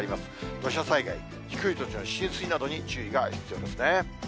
土砂災害、低い土地の浸水などに注意が必要ですね。